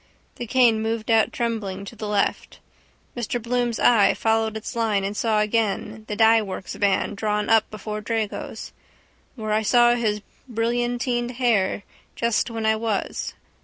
The cane moved out trembling to the left. Mr Bloom's eye followed its line and saw again the dyeworks' van drawn up before Drago's. Where I saw his brillantined hair just when I was.